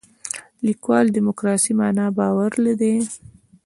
لیکوال دیموکراسي معنا باور دی.